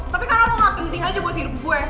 tapi karena lo gak penting aja buat hidup gue